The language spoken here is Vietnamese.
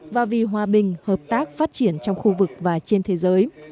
và vì hòa bình hợp tác phát triển trong khu vực và trên thế giới